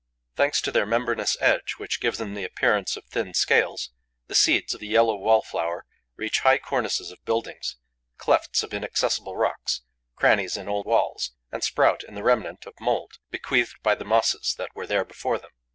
Thanks to their membranous edge, which gives them the appearance of thin scales, the seeds of the yellow wall flower reach high cornices of buildings, clefts of inaccessible rocks, crannies in old walls, and sprout in the remnant of mould bequeathed by the mosses that were there before them.